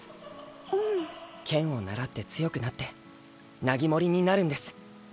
剣を習って強くなってナギモリになるんです。